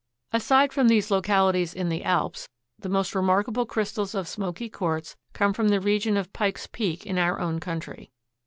Aside from these localities in the Alps, the most remarkable crystals of smoky quartz come from the region of Pike's Peak, in our own country.